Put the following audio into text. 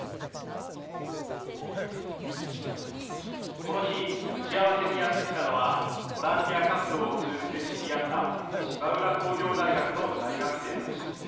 この日打ち合わせにやってきたのはボランティア活動を通じて知り合った芝浦工業大学の大学生たち。